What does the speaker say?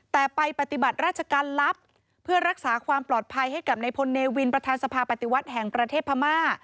แต่ไปปฏิบัติราชการลับเพื่อรักษาความปลอดภัยให้กับในพลเนวินประธานสภาปฏิวัติแห่งประเทศพม่า